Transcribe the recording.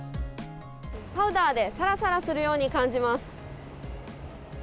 パウダーで、さらさらするように感じます。